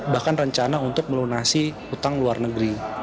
bahkan rencana untuk melunasi utang luar negeri